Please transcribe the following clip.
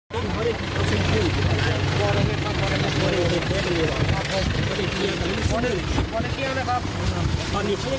แบบนี้ก็จะเห็นไม่ได้